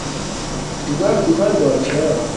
ہنر، ہنر بات شاہ ۔